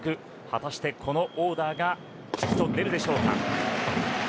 果たして、このオーダーが吉と出るでしょうか。